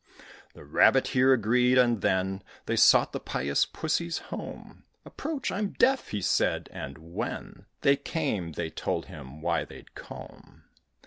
The Rabbit here agreed, and then They sought the pious Pussy's home. "Approach I'm deaf, he said; and when They came, they told him why they'd come.